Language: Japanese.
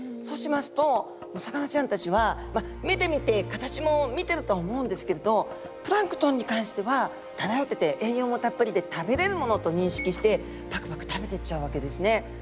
そうしますとお魚ちゃんたちは目で見て形も見てるとは思うんですけれどプランクトンに関しては漂ってて栄養もたっぷりで食べれるものと認識してパクパク食べてっちゃうわけですね。